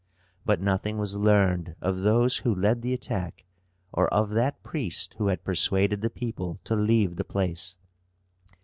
But nothing was learned of those who led the attack, or of that priest who had persuaded the people to leave the place.